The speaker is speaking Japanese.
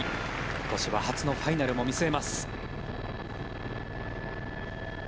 今年は初のファイナルも見据えます。